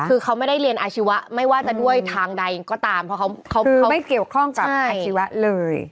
คือเขาไม่ได้เรียนอาชีวะไม่ว่าจะด้วยทางใดก็ตามเพราะเขาไม่เกี่ยวข้องกับอาชีวะเลย